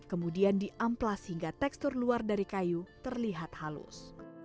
kemudian diamplas hingga tekstur luar dari kayu terlihat halus